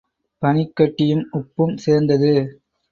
பனிக்கட்டியும் உப்பும் சேர்ந்தது.